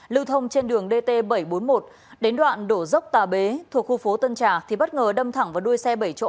lưu thông trên đường dt bảy trăm bốn mươi một đến đoạn đổ dốc tà bế thuộc khu phố tân trào thì bất ngờ đâm thẳng vào đuôi xe bảy chỗ